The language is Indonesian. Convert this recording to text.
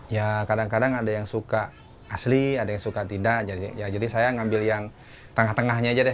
ya kadang kadang ada yang suka asli ada yang suka tidak ya jadi saya ngambil yang tengah tengahnya aja deh